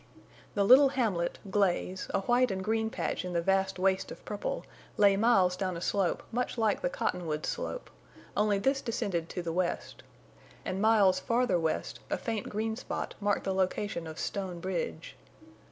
The little hamlet, Glaze, a white and green patch in the vast waste of purple, lay miles down a slope much like the Cottonwoods slope, only this descended to the west. And miles farther west a faint green spot marked the location of Stone Bridge.